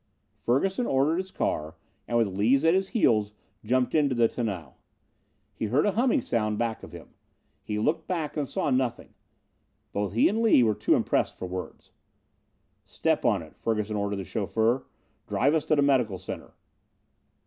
Ferguson ordered his car and, with Lees at his heels, jumped in the tonneau. He heard a humming sound back of him. He looked back and saw nothing. Both he and Lees were too impressed for words. "Step on it," Ferguson ordered the chauffeur. "Drive us to the Medical Center."